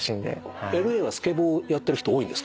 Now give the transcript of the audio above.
ＬＡはスケボーをやってる人多いんですか？